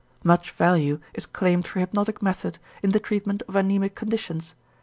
Much value is claimed for hypnotic method in the treatment of anæmic conditions.